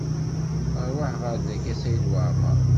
Rwaḥ ɣer dayi a Saɛid Waɛmaṛ!